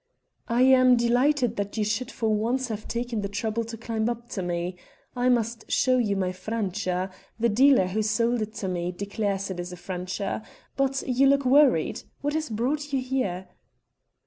"I am delighted that you should for once have taken the trouble to climb up to me. I must show you my Francia the dealer who sold it to me declares it is a Francia. But you look worried. What has brought you here?"